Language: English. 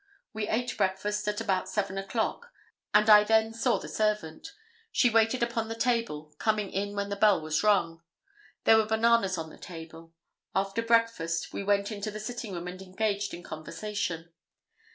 We ate breakfast at about 7 o'clock, and I then saw the servant. She waited upon the table, coming in when the bell was rung. There were bananas on the table. After breakfast we went into the sitting room and engaged in conversation.